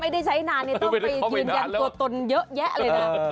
ไม่ได้ใช้นานเนี่ยต้องไปยืนยังโกตนเยอะแยะเลยนะ